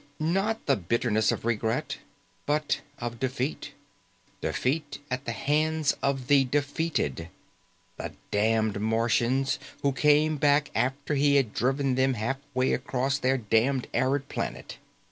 Not the bitterness of regret, but of defeat. Defeat at the hands of the defeated. The damned Martians who came back after he had driven them halfway across their damned arid planet.